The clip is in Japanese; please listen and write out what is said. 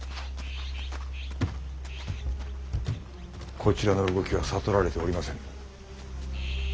こちらの動きは悟られておりませぬ。